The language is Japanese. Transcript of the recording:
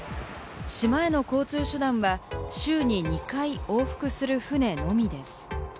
島への交通手段は週に２回往復する船のみです。